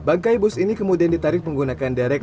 bangkai bus ini kemudian ditarik menggunakan derek